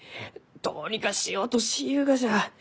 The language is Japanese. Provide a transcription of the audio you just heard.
どうにかしようとしゆうがじゃ。